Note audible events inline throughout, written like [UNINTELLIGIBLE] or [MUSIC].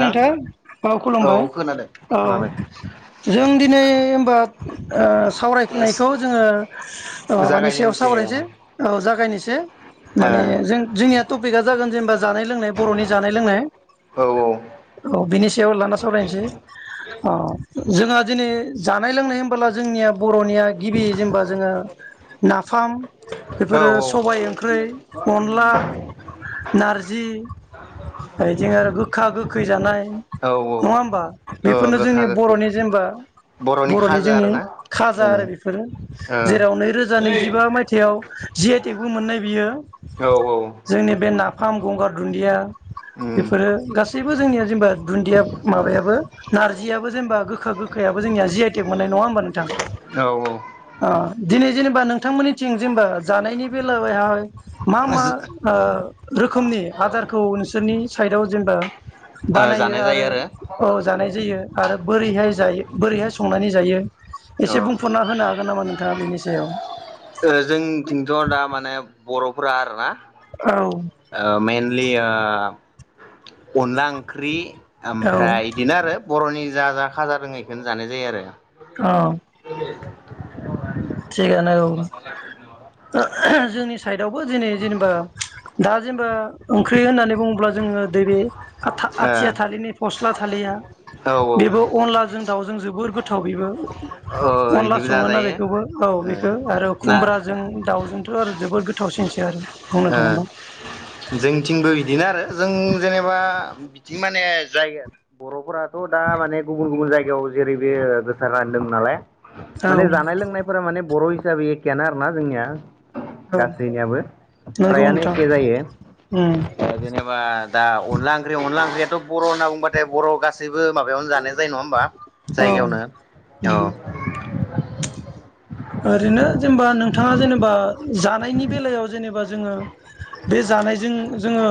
नोंथां औ खुलुमबाय खोनादों खोनाबाय औ जों दिनै [UNINTELLIGIBLE] सावरायफिननायखौ जोङो ओ मानि सायाव जागायजेनसै सावरायनोसै औ जागायनोसै से माने जों जोंनिया टपिका जागोन जेनबा जानाय लोंनाय बरनि जानाय लोंनाय औ औ औ बिनि सायाव लाना सावरायनोसै ओ जोंहा दिनै जानाय लोंनाय होनबोला जोंनिया बरनिया गिबि जेनेबा जोङो नाफाम औ बेफोरो सबाय ओंख्रि अनला नार जि जों आरो गोखा गोखै जानाय औ औ नङा होमबा औ बेफोरनो गोखा जोंनि गोखै बरनि जेनेबा बरनि खाजा जोंनि आरोना खाजा ओ आरो बेफोरो जेराव नैरोजा नैजिबा मायथाइयाव जि आइ टेकबो मोननाय बियो औ औ जोंनि बे नाफाम गंगार दुन्दिया उम बेफोरो गासैबो जोंनिया जेनेबा दुन्दिया माबायाबो नारजियाबो जेनेबा गोखा गोखायाबो जोंनिया जि आइ टेक मोननाय नङा होमबा नोंथां औ ओ ओ दिनै जेनेबा नोंथांमोननिथिं जेनेबा जानायनि बेलायावहाय मा मा रोखोमनि आदारखौ नोंसोरनि साइदआव जेनेबा बानायो जानाय आरो जायो औ जानाय जायो आरो बोरैहाय जायो बोरैहाय संनानै जायो औ एसे बुंफुरना होनो हागोन नामा नोंथाङा बेनि सायाव ओ जोंनिथिंथ दा माने बरफोरा आरो ना औ आ मेेनलि आ ओ अनला ओंख्रि औ ओमफ्राय बिदिनो आरो बरनि जा जा खाजा दंं बेखौनो जानाय जायो आरो औ थिगानो औ जोंनि साइदआवबो दिनै जेनेबा दा जेनेबा ओंख्रि होननानै बुङोब्ला जोङो दैबे आथिया ओ थाललि नै फस्ला थालिया औ बेबो अनलाजों दाउजों जबो जोबोर गोथाव ओ बेबो अनला इदिबो संओना‌ बे जाजायो बेखौबो औ ओ बेखौ आरो ना खुमब्राजों दाउजोंथ आरो जोबोद गोथ थावसिनसो आरो बुंनो थाङोबा जोंथिंबो बिदिनो आरो जों जेनेबा बिथिं माने जायगा बरफोरा थ दा माने गुबुन गुबुन जाय बेयाव जेरै बे गोसार रानदों नालाय माने जानाय औ लोंनायफोरा माने बर हिसाबै एखेआनो आरोना जोंनिया औ गासैनियाबो नंगौ फ्रायानो नोंथां एखे उम जायो जेनेबा दा अनला ओंख्रियाव अनला ओंख्रियाथ बर होनना बुंबाथाय बर गासैबो माबायावनो जानाय जायो नङा होमबा? औ जायगायावनो उम औ ओरैनो जेनेबा नोंथाङा जेनेबा जानायनि बेलायाव जेनेबा जोङो बे जानायजों जोङो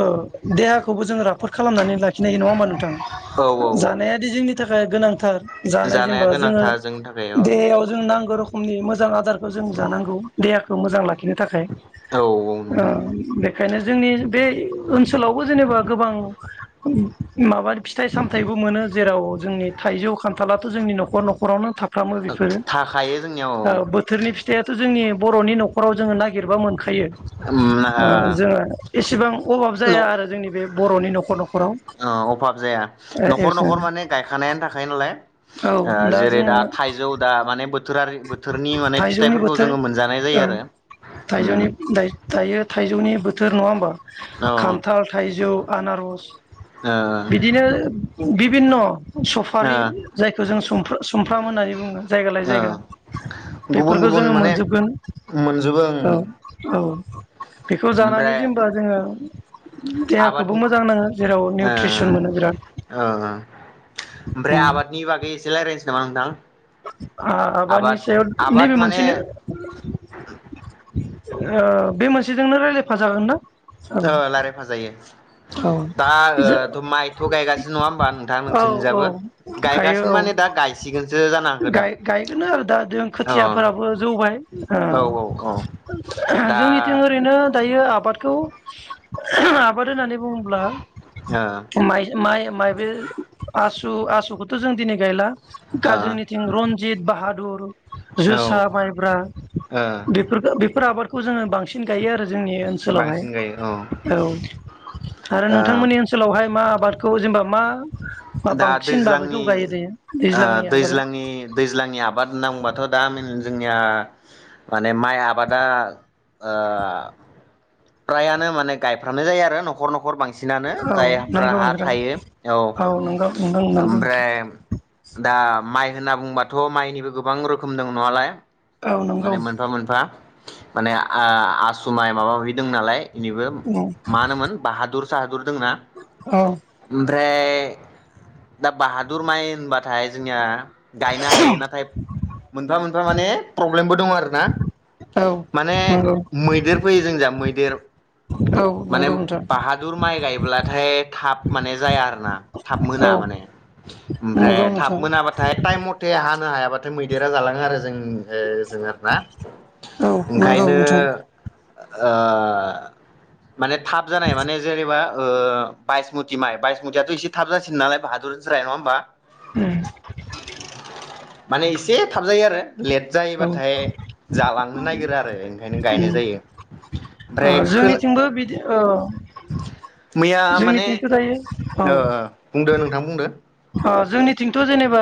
देहाखौबो जों राफोद खालामनानै लाखिनो हायो नङा होमबा नोंथां? औ औ जानायादि जोंनि थाखाया गोनांथार जानाय जानाया जेनबा जोङो गोनांथार जोंनि थाखाय औ देहायाव नांगौ रखमनि मोजां आदार जों जानांगौ देहाख खौ मोजां लाखि बिनो थाखाय औ ओ नोंथां बे खायनो जोंनि बे ओनसोलावबो जेनेबा गोबां माबा फिथाइ सामथाइबो मोनो जेराव जोंनि थाइजौ खान्थालाथ' जोंनि नखर नखरावनो थाख फ्रामो बेफोरो थाखायो जोंनियाव ओ औ बोथोरनि फिथाइयाथ जो जोंनि बरनि नखराव जोङो नागिरबा मोन खायो ओ जोङो एसेबां अभाब जाया न' आरो जोंनि बे बरनि नखर नखराव अभाब जाया न'खर न'खर माने गायखानायानो थाखायो नालाय औ ओ जेरै जोङो दा थाइजौ दा माने बोथ बोथोरारि बोथोरनि माने थाइजौनि फिथाइफोरखौ बोथोर जोङो मोनजानाय जायो ओं आरो थाइजौनि उम दायो थाइजौनि बोथोर नङा होमबा खान्थाल, थाइजौ आनारस बिदिनो बिभिन्न सफारि जायखौ जों सुम सुमफ्राम होननानै बुङो जायगा लायै औ जायगा गुबुन बेफोरखौ गुबुन जोङो माने मोनजोबगोन मोनजोबो ओं औ औ बेखौ जानानै जेनबा जोङो [UNINTELLIGIBLE] आबाद देहाखौबो [UNINTELLIGIBLE] मोजां नाङो जेराव ओ निउट्रिसन मोनो बिराद ओ ओमफ्राय आबादनि बागै एसे रायलायनोसै नामा आं ना ओ आबादनि सायाव नैबे आबाद माने मोनसेनो ओ बे मोनसेजोंनो रायलाय फाजागोन ना? औ रायलायफा जायो। औ दा ओ थ माइथ गायगासिनो नङा होमबा नोंथां औ औ नोंसोरनिजाबो गायो गायगासिनो औ माने दा गायसिगोनसो जानागो दा गायगोन आरो दा जों अ खोथियाफोराबो जौबाय ओ औ औ औ दा जोंनिथिं ओरैनो दायो आबादखौ आबाद होननानै बुंब्ला ओ माइ-माइ-माइबे आसु-आसुखौथ थ जों दिनै गायला। ओ गाज्रिनिथिं रनजित बाहादुर औ जोसा माइब्रा ओ बेफोरखो बेफोर आबाद। खौ जोङो बां सिन गायो आरो जोंनि ओन्सोलाव हाय बांसिन गायो औ औ। आरो ओ नोंथांमोननि ओनसोलाव ओमफ्राय मा आबादखौ जेनेबा मा मा दा बांसिन माबाखौ दैज्लांनि गायो दायो ओ दैज्लांनि आबादाव दैज्लांनि दैज्लांनि आबाद होननानै बुङोबाथ दा जोंनिया माने माइ आबादा ओ फ्रायानो माने गायफ्रामनाय जायो आरो नखर नखर बांसिन। सिनानो औ जायहाफ्रा नंगौ हा नोंथां थायो औ। नंगौ नोंथां नंगौ ओमफ्राय दा माइ होनना बुंबाथ माइनिबो गोबां रोखोम दं नवालाय। औ नंगौ माने मोनफा मोनफा माने आसु माइ माबा माबि दं नालाय। इनिबो मा होनोमोन बाहादुर। साहादुर। दंना। औ ओमफ्राय दा बाहादुर माइ होनबाथाय जोंनिया गायनो हायो नाथाय मोनफा थारमाने प्रब्लेमबो दङ आरो ना। माने नंगौ मैदेर फैयो जों जा मैदेर औ माने नंगौ नोंथां औ नंगौ नोंथां बाहादुर माइ गायब्लाथाय। थाब माने जाया आरो। ना थाब औ मोना माने ओमफ्राइ नंगौ नोंथां थाब मोना बाथाय ताइम मथे हा नो हायाबाथाय मैदेरा जालाङो आरो जों ओ जों आरो ना ओंखायनो ओ माने थाब जानाय माने जेनेबा ओ बायसमुथि माइ बायसमुतियाथ एसे थाब जासिनो नालाय बाहादुरनिफ्राइ नंङा होमबा [INAUDIBLE] माने एसे थाबजायो आरो लेट औ जायोबाथाय जालांनो नागिरो आरो ओंखायनो गायनाय जायो ओमफ्राय खो जोंनिथिंबो बिदि औ [INAUDIBLE] जोंनिथिंथ' दायो ओ औ बुंदो नोंथां बुंदो ओ जोंनिथिंथ' जेनेबा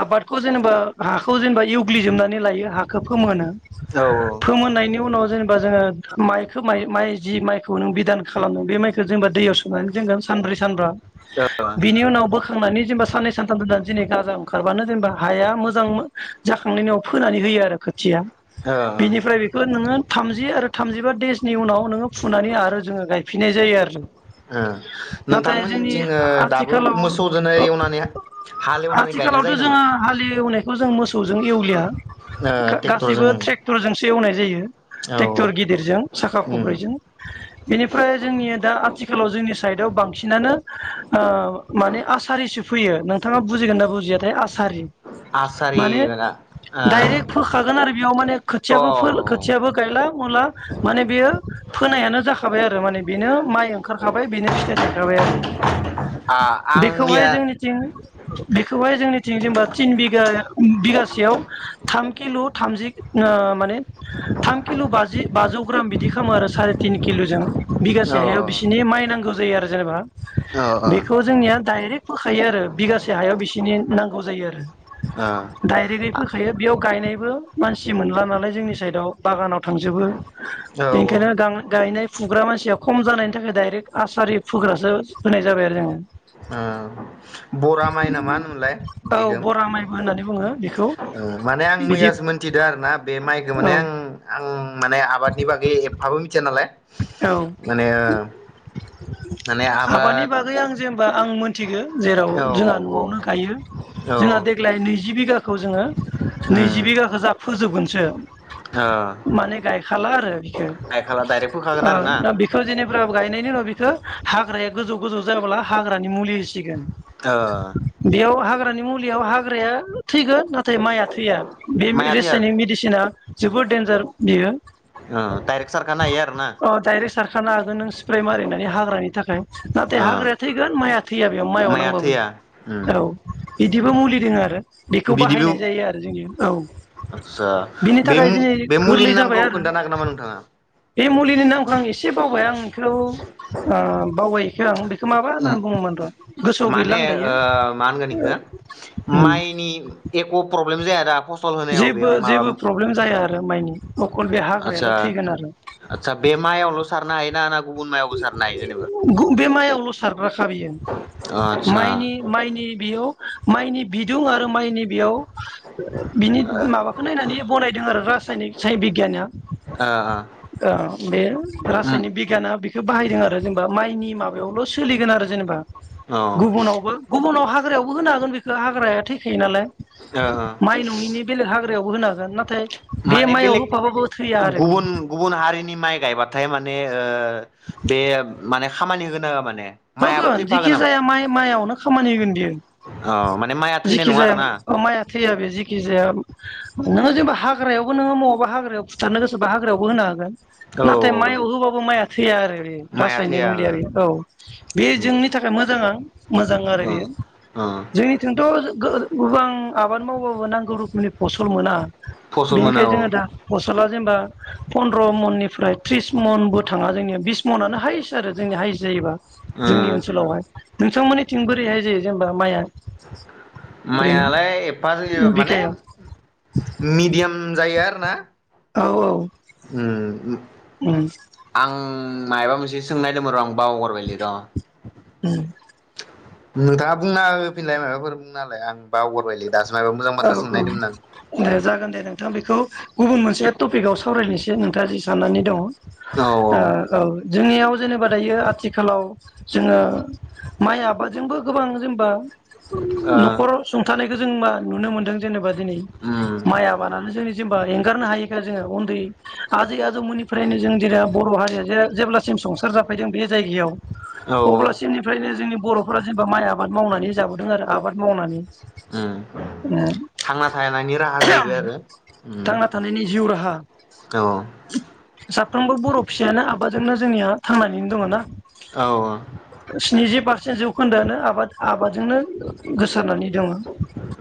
आबादखौ जेनेबा हाखौ जेनेबा एवग्लिजोबनानै लायो हाखौ फोमहोनो औ फोमोननायनि उनाव जेने जोंङो माइखौ माइ माइ जि माइखौ नों बिदान खालामनो बे माइखौ जोंबा दैयाव सोमनानै दोनगोन सानब्रै सानबा औ ओ बिनि उनाव बो फोखांनानै जेनेबा साननै सानथाम दोननानै गाजा ओंखारबानो जेनेबा हाया मोजां जाखांनायनि उनाव फोनानै होयो आरो खोथिया ओ बेनिफ्राय बेखौ नोंङो थामजि आरो थामजिबा देसनि उनाव नोंङो फुनानै आरो जोंङो गायफिननाय जायो आरो ओ नाथाय जोंनि नोंथांमोनथिं ओ दाबो आथिखालाव मोसौजोंनो ओ एवनानै हालेवनानै गायनाय जायो आथिखालावथ' नामा जोंङो हालेवनायखौ जोंङो मोसौजों एवलिया ओ गा-गासैबो ट्रेक्टरजों ट्रेक्टरजों सो एवनाय जायो औ ट्रेक्टर गिदिरजों साखा उम खब्रैजों बेनिफ्राय जोंनि दा आथिखालाव जोंनि साइदाव बांसिनानो ओ माने आ सारिसो फै नोंथांङा बुजिगोना बुजियाथाय आस सारि आसारि माने माना डाइरेक्ट फोखागोन आरो बेयाव माने ओ खोथियाबो फो खोथियाबो गायला गुला माने बेयो फोनायानो जाखाबाय आरो माने बेनो माइ ओंखारखाबाय बेनो फिथाइ थायखाबाय आरो अ आ बे आं बेखौहाय मैया जोंनिथिं बेखौहाय जोंनिथिं जेनबा थिन बिगा बिगासेयाव थाम किल' थामजि ओ माने थाम किल' बाजि बाजौ ग्राम बिदि खालामो आरो सारि तिन किल'जों बिगासे औ हायाव बिसिनि माइनांगौ जायो आरो जेनेबा औ बेखौ जोंनिया डाइरेक्ट फोखायो आरो बिगासे हायाव बिसिनि नांगौ जायो डाइरेक्ट फोखायो बेयाव गायनाय नायबो मानसि मोनला नालाय बागानाव जोंनि साइदाव बागानाव थांजोबो ओ औ ओ बेनिखायनो गां गायनाय फुग्रा मानसिया खम जानायनि थाखाय दडाइरेक्ट आसारि फोग्रासो होनाय जाबाय आरो जोङो। ओम बरा माइ नामा होनोमोनलाय औ बिखौम बरा माइबो होननानै बुङो बेखौ माने आं बिदि मैयासो मोनथिदो आरोना बे माइखो औ माने आं आं माने आबादनि बागै एफाबो मिथिया नालाय औ माने ओ माने आबाद जे आं मोन्थिगो जेराव औ जोंहा औ न'आवनो गायो औ जोंहा देग्लाय नैजि बिघा खौ जोङो नैजि उम बिघाखौ जाह फोजोबगोन। से ओ माने गायखाला आरो बिखो गायखाला डाइरेक्ट फोखागोन आरो ना दा बेखौ जेनेब गायनायनिल बि बे हाग्राया गोजौ गोजौ जायाब्ला हाग्रानि मुलि सिगोन ओ बेयाव हाग हाग्रानि मुलियाव हाग्राया थैगोन नाथाय माइआ थैया बे माइआ थैया रेसायनिक ओ मेडिसिना जोबोद देनजार बियो। दायरेक सारखा नो हायो। आरो ना अ दडाइरेक्ट सारखानो हागोन नों स्प्रे मारिनानै हाग्रानि थाखाय नाथाय ओ हाग्राया थैगोन माइआ थैया बेयाव माइआव माइआ नांगबाबो थैया उम औ। बिदिबो मुलि दङो आरो बेखौ बिदिबो बाहायनाय जायो आरो जोंनि औ आदसा बिनि बे थाखाय दिनै बे गोरलै मुलिनि जाबाय नामखौ आरो खोन्थानो हागोन नामा नोंथाङा? बे मुलिनि नामखौ आं एसे बावबाय आं बेखौखौ बावबाय बेखौ आं माबा होननानै बुङोमोन र गोसोआव माने गैला आं दायो। ओ मा होनगोन इखो माइनि [UNINTELLIGIBLE] जेबो जेबो प्रब्लेम जाया। आरो माइनि अखल बे आतसा हाग्रायाल' थैगोन आरो आतसा बे मायावल सारनो हा ना गुबुन मायावबो सार नायो जेनेबा राखा बियो आदसा माइनि माइनि बेयाव माइनि बिदुं आरो माइनि बेयाव बिनि माबाखौ नायनानै बनायदों आरो रासायनिक बिगियानआ ओ ओ ओ बे उम रासायनिक बिगियाना बेखौ बाहायदों आरो जेनेबा माइनि माबायावल सोलिगोन आरो जेनेबा औ गुबुनावबो गुबुनाव हा ग्रायावबो होनो हागोन बेखौ हाग्राया थैखायो नालाय। ओ ओ माइ नङिनि बेलेग हाग् यावबो होनो हागोन नाथाय- बे माने माइयाव बेलेग होफाबाबो थैया आरो बियो गुबुन गुबुन हारिनि माइ गायबा थाय माने ओ बे माने- खामानि होगोन ना होआ माने माइआबो होगोन थैफागोन जेखि नामा जाया माइ माइआवनो खामानि होगोन बियो औ माने माइआ थैनाय जेखि नङा जाया आरोना माइआ थैया बे जेखि जाया- नोङो जेबो हाग्रायावबो नोङो मोवबा हाग्रायाव फुथारनो गोसोबा हाग्रायावबो होनो हागोन। औ नाथाय माय होबाबो माइ थैया आरो [UNINTELLIGIBLE] माइआ रासायनिक थैया मुलियारि औ बे जोंनि ओ थाखाय मोजा [UNINTELLIGIBLE] मोजां आरो ओ बेयो ओ जोंनिथिंथ गो गोबां आबाद मावबाबो नांगौ रोखोमनि फसल मोना। फसल मोना बेनिखायनो औ जोङो दा फसला- जेनेबा पन्द्र मननिफ्राय त्रिस मनबो थाङा जोंनिया बिस मनानो हाइेस्ट आरो जोंनिया हाइेस्ट जायोबा। जोंनि उम ओनसोलावहाय । थांमोननिथिं बोरैहाय जायो जेनेबा माइया? माइआलाय एफा जायो माने बिगायाव मिडियाम जायो आरो फाना औ औ उम उम आं मायाबा मोनसे सोंनायदोंमोन र आं बावगारबायले र उम नोंथाङा बुंना होफिनलाय माबाफोर बुंनालाय आं बावगारबायलै दासो मायबा मोजां औ बाथ्रा सोंनो नायदोंमोन औ दे जागोन दे नोंथाङा बेखौ गुबुन मोनसे टपिकआव सा सावरायनोसै नोंथाङा जि साननानै दङ। ओ आं औ औ जोंनियाव जेनेबा दायो आथिखालाव जोङो माइ आबादजोंबो गोबां जेनबा ओ न'खराव सुंथानाय जोंबा नुनो मोनदों जेनेबा दिनै उम माइ आबादानो जोंनि जेनबा एंगारनो हायैखा जोङो उन्दै आजै आजौमोननिफ्रायनो जों जेरै बर' हारिया जे जेब्लासिम संसार जाफैदों बे जायगायाव औ अब्लासिमनिफ्रायनो जोंनि बर'फोरा जेनेबा माइ आबाद मावनानै जाबोदों आरो आबाद मावनानै उम थांना थानायनि राहा जाहैबाय आरो उम थांना थानायनि जिउ राहा औ साफ्रोमबो बर' फिसायानो आबादजोंनो जोंनिया थांनानैनो दङ ना औ स्निजि पारसेे जौ खोन्दोयानो आबाद आबादजोंनो गोसारनानै दङ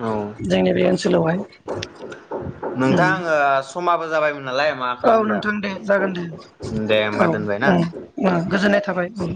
औ जोंनि बे ओनसोलावहाय नोंथां आङो समाबो जाबायमोन नालाय मा औ खालामदों नोंथां दे जागोन दे दे होमबा औ दोनबाय ना ओम ओ गोजोननाय थाबाय औ